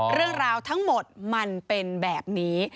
เรื่องราวทั้งหมดมันเป็นแบบนี้